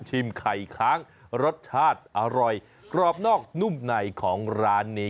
ไข่ค้างรสชาติอร่อยกรอบนอกนุ่มในของร้านนี้